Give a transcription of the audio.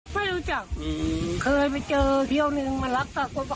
ไม่รู้จักเคยไปเจอเที่ยวหนึ่งมาลักตัดต้นไม้